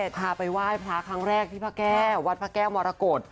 พาไปไหว้พระครั้งแรกที่พระแก้ววัดพระแก้วมรกฏ